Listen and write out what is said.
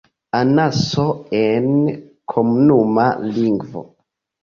Anaso en komunuma lingvo.